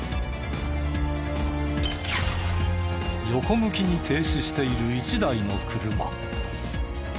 横向きに停止している一台の車。